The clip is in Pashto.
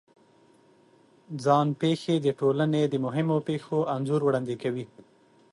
ځان پېښې د ټولنې د مهمو پېښو انځور وړاندې کوي.